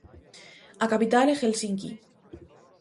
A capital é Helsinqui.